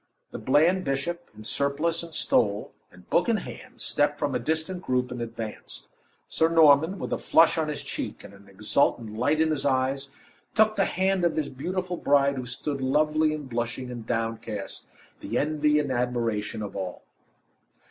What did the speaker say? The bland bishop, in surplice and stole, and book in hand, stepped from a distant group, and advanced. Sir Norman, with a flush on his cheek, and an exultant light in his eyes, took the hand of his beautiful bride who stood lovely, and blushing, and downcast, the envy and admiration of all.